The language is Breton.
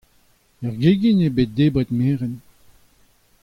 Er gegin eo bet debret merenn.